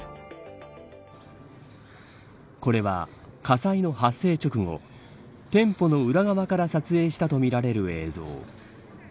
これは火災の発生直後店舗の裏側から撮影したとみられる映像。